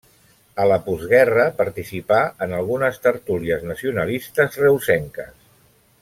A la postguerra participà en algunes tertúlies nacionalistes reusenques.